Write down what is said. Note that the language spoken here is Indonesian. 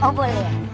oh boleh ya